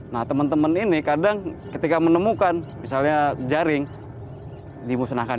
nah teman teman ini kadang ketika menemukan misalnya jaring dimusnahkan